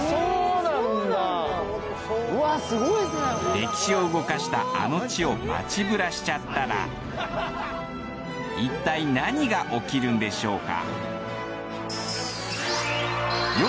歴史を動かしたあの地を街ブラしちゃったらいったい何が起きるんでしょうか？